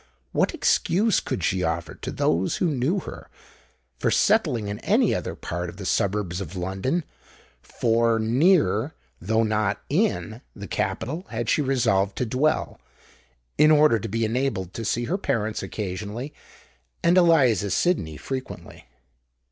what excuse could she offer to those who knew her, for settling in any other part of the suburbs of London?—for near, though not in, the capital had she resolved to dwell, in order to be enabled to see her parents occasionally, and Eliza Sydney frequently.